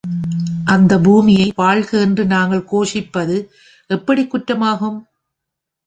அந்த பூமியை வாழ்க என்று நாங்கள் கோஷிப்பது எப்படி குற்றமாகும்?